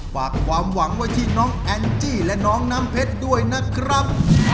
ฝากความหวังไว้ที่น้องแอนจี้และน้องน้ำเพชรด้วยนะครับ